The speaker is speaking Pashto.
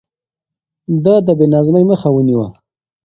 ده د بې نظمۍ مخه ونيوه.